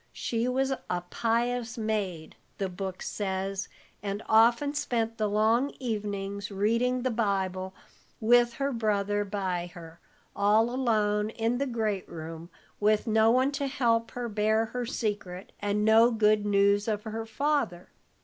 She was 'a pious maid,' the book says, and often spent the long evenings reading the Bible, with her brother by her, all alone in the great room, with no one to help her bear her secret, and no good news of her father.